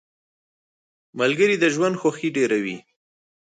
• ملګري د ژوند خوښي ډېروي.